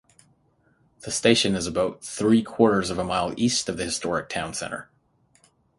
The station is about three-quarters of a mile east of the historic town centre.